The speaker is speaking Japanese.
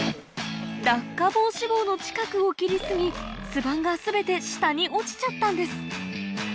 落下防止棒の近くを切り過ぎ巣板が全て下に落ちちゃったんです